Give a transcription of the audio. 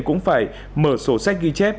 cũng phải mở số sách ghi chép